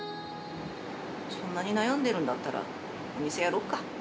そんなに悩んでるんだったら、お店やろうか。